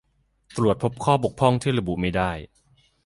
ตรวจพบข้อบกพร่องที่ระบุไม่ได้